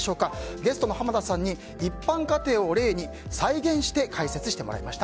ゲストの濱田さんに一般家庭を例に再現して解説してもらいました。